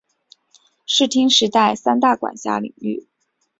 室町时代三大管领之一。